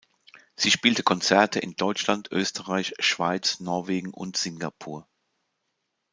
Sie spielte Konzerte in Deutschland, Österreich, Schweiz, Norwegen und Singapur.